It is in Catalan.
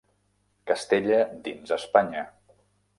Castella dins Espanya.